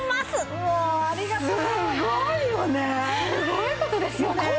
すごい事ですよね。